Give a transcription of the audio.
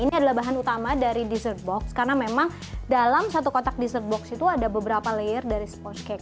ini adalah bahan utama dari dessert box karena memang dalam satu kotak dessert box itu ada beberapa layer dari spotscake